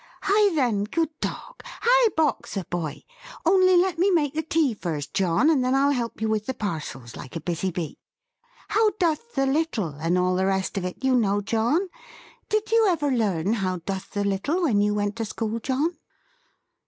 Hie then, good dog! Hie Boxer, boy! Only let me make the tea first, John; and then I'll help you with the parcels, like a busy bee. 'How doth the little' and all the rest of it, you know John. Did you ever learn 'how doth the little,' when you went to school, John?"